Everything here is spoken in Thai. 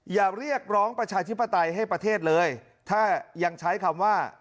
อย่าเรียกร้องประชาธิปไตยให้ประเทศเลยถ้ายังใช้คำว่า